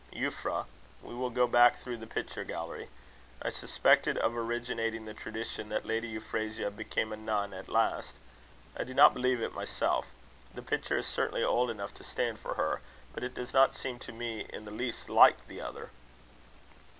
Euphra, we will go back through the picture gallery. I suspect it of originating the tradition that Lady Euphrasia became a nun at last. I do not believe it myself. The picture is certainly old enough to stand for her, but it does not seem to me in the least like the other."